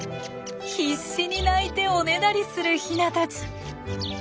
必死に鳴いておねだりするヒナたち。